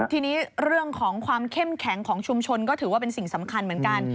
ทีนี้เรื่องของความเข้มแข็งของชุมชนก็ถือว่าเป็นสิ่งสำคัญเหมือนกัน